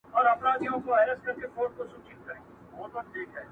خدای ورکړئ یو سړي ته داسي زوی ؤ،